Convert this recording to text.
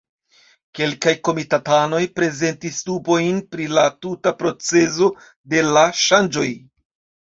Kelkaj komitatanoj prezentis dubojn pri la tuta procezo de la ŝanĝoj.